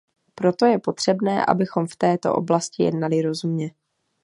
Proto je potřebné, abychom v této oblasti jednali rozumně.